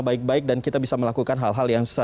baik baik dan kita bisa melakukan hal hal yang